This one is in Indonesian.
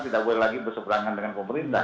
tidak boleh lagi berseberangan dengan pemerintah